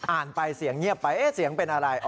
อ่านไปเสียงเงียบไปเอ๊ะเสียงเป็นอะไร